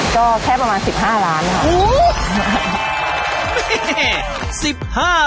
ก็แค่ประมาณ๑๕ล้านค่ะ